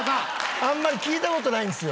あんまり聞いた事ないんですよ。